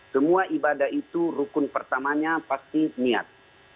semua ibadah itu rukun pertamanya pasti niat